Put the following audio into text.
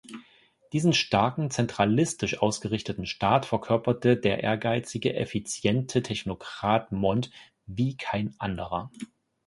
Diesen starken zentralistisch ausgerichteten Staat verkörperte der ehrgeizige, effiziente Technokrat Montt wie kein anderer.